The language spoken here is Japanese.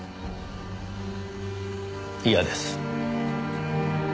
嫌です。